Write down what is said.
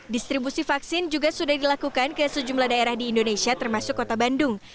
distribusi vaksin juga sudah dilakukan ke sejumlah daerah di indonesia termasuk kota bandung